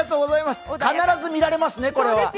必ず見られますね、これは。